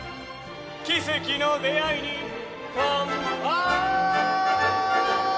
「奇跡の出会いに乾杯」